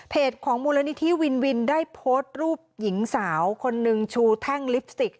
ของมูลนิธิวินวินได้โพสต์รูปหญิงสาวคนนึงชูแท่งลิปสติก